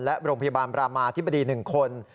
และโรงพยาบาลบรามาธิบดี๑คน